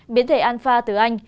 biến thể alpha từ anh